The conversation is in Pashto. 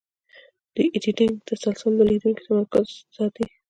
د ایډیټینګ تسلسل د لیدونکي تمرکز ساتي.